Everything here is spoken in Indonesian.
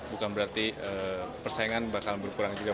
bukan berarti persaingan bakal berkurang juga